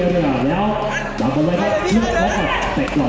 รอหน้าเข้นซ้อนหน้าเข้น